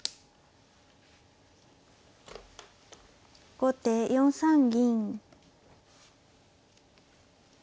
後手４三銀。